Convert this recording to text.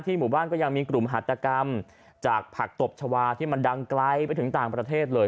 หมู่บ้านก็ยังมีกลุ่มหัตกรรมจากผักตบชาวาที่มันดังไกลไปถึงต่างประเทศเลย